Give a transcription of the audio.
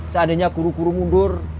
seandainya guru guru mundur